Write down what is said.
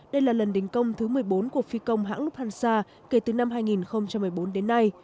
đây là lần đình công thứ một mươi bốn của phi công hãng luphansa kể từ năm hai nghìn một mươi bốn đến nay